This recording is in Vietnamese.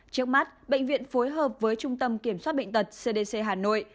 trước mắt bệnh viện phối hợp với trung tâm kiểm soát bệnh tật cdc hà nội